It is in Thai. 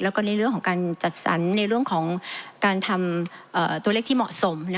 แล้วก็ในเรื่องของการจัดสรรในเรื่องของการทำตัวเลขที่เหมาะสม